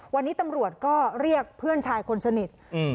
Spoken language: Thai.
วันนี้ตำรวจก็เรียกเพื่อนชายคนสนิทอืม